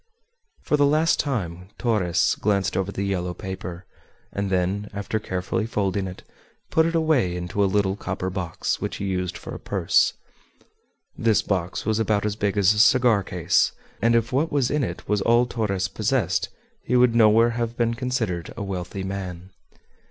For the last time Torres glanced over the yellow paper, and then, after carefully folding it, put it away into a little copper box which he used for a purse. This box was about as big as a cigar case, and if what was in it was all Torres possessed he would nowhere have been considered a wealthy man.